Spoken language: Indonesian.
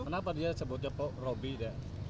kenapa dia disebutnya robby